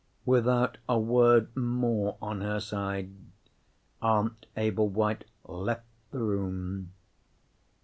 Without a word more, on her side, Aunt Ablewhite left the room.